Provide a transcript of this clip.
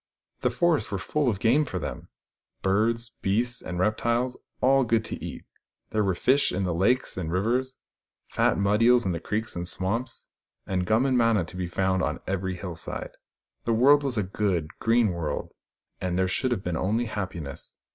The forests were full of game for them — birds, beasts and reptiles, all good to eat : there were fish in the lakes and rivers, fat mud eels in the creeks and swamps, and gum and manna to be found on every hill side. The world was a good, green world, and there should have been only happiness.